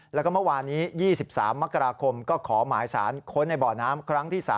แล้วก็เมื่อวานนี้๒๓มกราคมก็ขอหมายสารค้นในบ่อน้ำครั้งที่๓